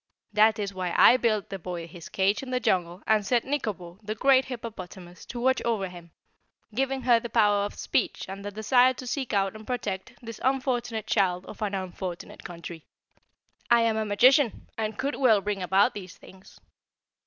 That is why I built the boy his cage in the jungle and set Nikobo, the great hippopotamus, to watch over him, giving her the power of speech and the desire to seek out and protect this unfortunate child of an unfortunate country. I am a magician and could well bring about these things.